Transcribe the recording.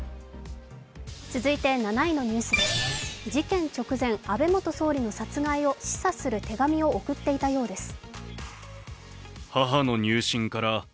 続いて７位のニュースです事件直前、安倍元総理の殺害を示唆する手紙を送っていたようです。